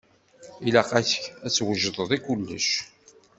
Ilaq-ak ad twejdeḍ i kullec.